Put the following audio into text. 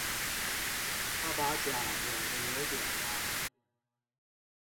他把腳扭得有點歪